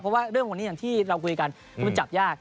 เพราะว่าเรื่องวันนี้อย่างที่เราคุยกันคือมันจับยาก